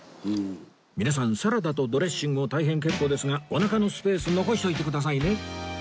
皆さんサラダとドレッシングも大変結構ですがおなかのスペース残しといてくださいね